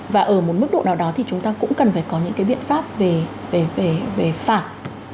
và ở một mức độ nào đó thì chúng ta cũng cần phải có những cái biện pháp về về về về phạm